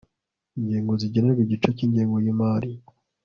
inzego zigenerwa igice cy'ingengo y'imari